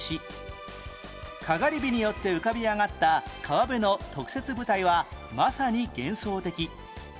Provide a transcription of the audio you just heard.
かがり火によって浮かび上がった川辺の特設舞台はまさに幻想的